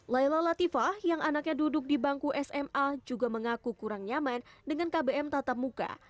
layla latifah yang anaknya duduk di bangku sma juga mengaku kurang nyaman dengan kbm tatap muka